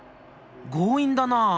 強引だなあ。